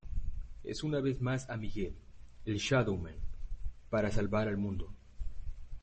Es una vez más a Miguel, el" Shadow Man", para salvar al mundo.